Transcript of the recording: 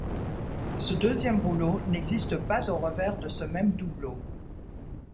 Ce deuxième rouleau n'existe pas au revers de ce même doubleau.